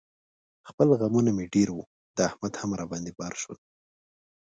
خپل غمونه مې ډېر و، د احمد هم را باندې بار شول.